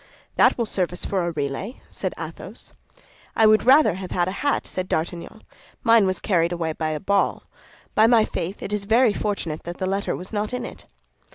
"That will serve us for a relay," said Athos. "I would rather have had a hat," said D'Artagnan. "Mine was carried away by a ball. By my faith, it is very fortunate that the letter was not in it."